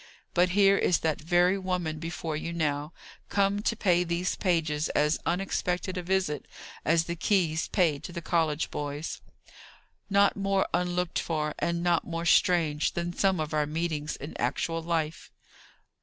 But here is that very woman before you now, come to pay these pages as unexpected a visit as the keys paid to the college boys. Not more unlooked for, and not more strange than some of our meetings in actual life.